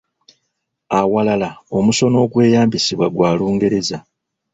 Awalala omusono ogweyambisibwa gwa Lungereza